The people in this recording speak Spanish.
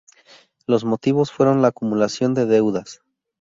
Los motivos fueron la acumulación de deudas.